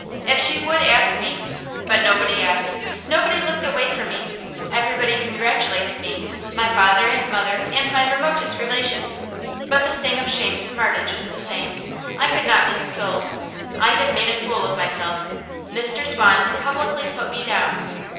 If she would ask me But nobody asked. Nobody looked away from me. Everybody congratulated me, and my father and mother and my remotest relations. But the sting of shame smarted just the same; I could not be consoled. I had made a fool of myself: Mr. Swan had publicly put me down.